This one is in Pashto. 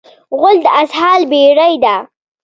غول د اسهال بېړۍ ده.